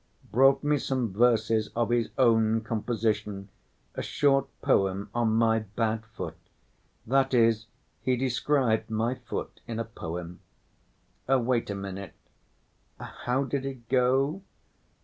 brought me some verses of his own composition—a short poem, on my bad foot: that is, he described my foot in a poem. Wait a minute—how did it go?